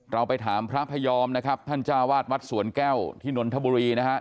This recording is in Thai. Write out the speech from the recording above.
เราไปถามพระพยอมนะครับท่านจ้าวาดวัดสวนแก้วที่นนทบุรีนะฮะ